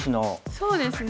そうですね。